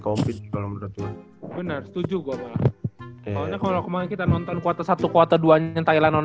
kalau menurut benar setuju kalau kita nonton kuota satu kuota dua thailand